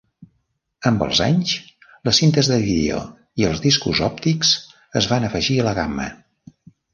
Amb els anys, les cintes de vídeo i els discos òptics es van afegir a la gamma.